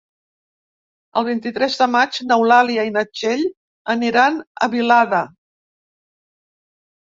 El vint-i-tres de maig n'Eulàlia i na Txell aniran a Vilada.